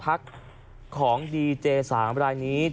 ปรากฏชัดเจนว่ากระจุกขนของแมวบนหลังคาบ้านที่ไปเจอและนำไปจวดพิสูจน์ก่อนหน้านี้